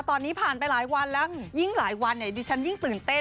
ตอนนี้ผ่านไปหลายวันแล้วยิ่งหลายวันเนี่ยดิฉันยิ่งตื่นเต้น